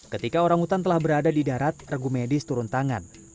ketika orang hutan telah berada di darat regu medis turun tangan